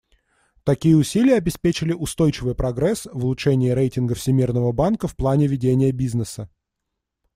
Такие усилия обеспечили устойчивый прогресс в улучшении рейтинга Всемирного банка в плане ведения бизнеса.